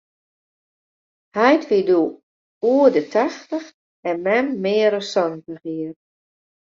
Heit wie doe oer de tachtich en mem mear as santich jier.